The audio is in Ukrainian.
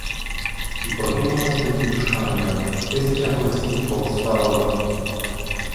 І прокинулась тоді душа моя, тисяча голосів повстала в ній.